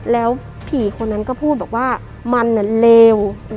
แล้วผีคนนั้นก็พูดบอกว่ามันเลว